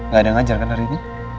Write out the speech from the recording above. gak ada yang ngajar kan hari ini